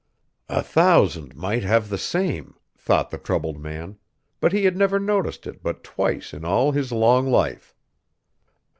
"A thousand might have the same!" thought the troubled man; but he had never noticed it but twice in all his long life!